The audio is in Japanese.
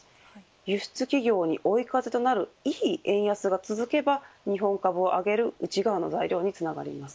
輸出企業に追い風となるいい円安が続けば日本株を上げる内側の材料につながります。